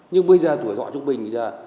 nhưng bây giờ tuổi dọa trung bình bây giờ